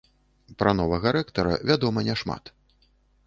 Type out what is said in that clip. Пра новага рэктара вядома не шмат.